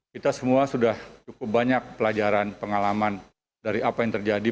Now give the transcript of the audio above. kita semua sudah cukup banyak pelajaran pengalaman dari apa yang terjadi